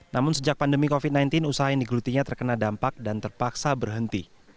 namun sejak pandemi covid sembilan belas usaha yang digelutinya terkena dampak dan terpaksa berhenti